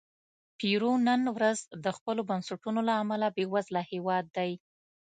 پیرو نن ورځ د خپلو بنسټونو له امله بېوزله هېواد دی.